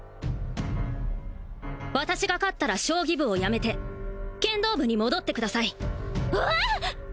私が勝ったら将棋部をやめて剣道部に戻ってくださいええっ！